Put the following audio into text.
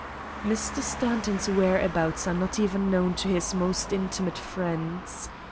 "Mr. Stanton's whereabouts are not even known to his most intimate friends.